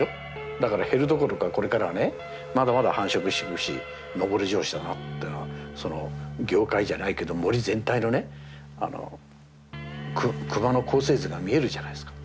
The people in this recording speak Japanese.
だから減るどころかこれからはねまだまだ繁殖してくし上り調子だなってのは業界じゃないけど森全体のねクマの構成図が見えるじゃないですか。